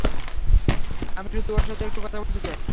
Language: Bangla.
আমি শুধু ওর সাথে একটু কথা বলতে চাই।